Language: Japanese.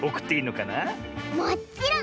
もっちろん！